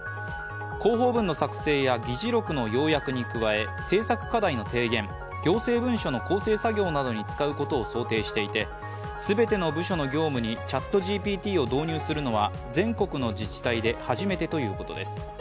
広報文の作成や議事録の要約に加え、政策課題の提言、行政文書の校正作業などに使うことを想定していて、全ての部署の業務にＣｈａｔＧＰＴを導入するのは全国の自治体で初めてということです。